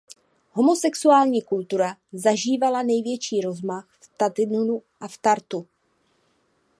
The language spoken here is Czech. Homosexuální kultura zažívala největší rozmach v Tallinnu a Tartu.